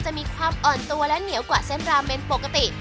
มีความอ่อนตัวและเหนียวกว่าเส้นราเมนปกติ